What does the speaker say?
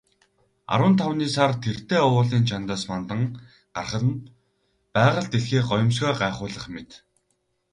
Арван тавны сар тэртээ уулын чанадаас мандан гарах нь байгаль дэлхий гоёмсгоо гайхуулах мэт.